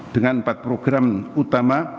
dengan empat program utama